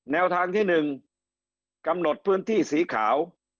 แนวทางที่๑กำหนดพื้นที่สีขาว